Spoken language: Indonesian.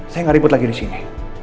saya gak ribut lagi disini